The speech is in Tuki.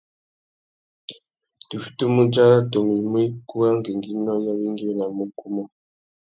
Tu fitimú udzara tumu i mú ikú râ ngüéngüinô i awéngüéwinamú ukú umô.